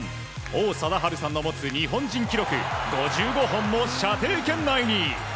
王貞治さんの持つ日本人記録５５本も射程圏内に。